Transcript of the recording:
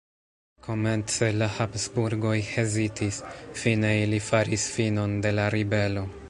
Komence la Habsburgoj hezitis, fine ili faris finon de la ribelo.